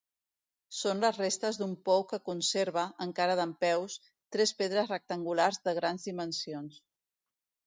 Són les restes d'un pou que conserva, encara dempeus, tres pedres rectangulars de grans dimensions.